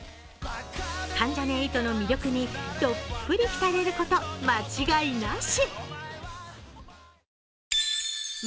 関ジャニ∞の魅力にどっぷりひたれること、間違いなし。